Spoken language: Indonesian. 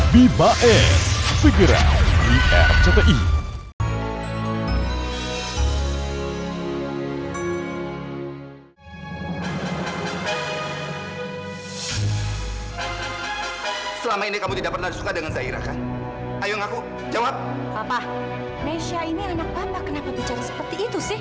bibae segira di rcti